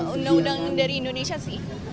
undang undang dari indonesia sih